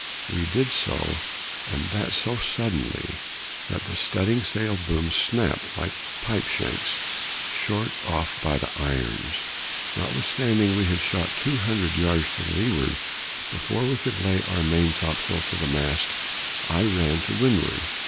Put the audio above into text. We did so, and that so suddenly, that the studding sail booms snapped like pipe shanks short off by the irons. Notwithstanding, we had shot two hundred yards to the leeward, before we could lay our maintopsail to the mast. I ran to windward.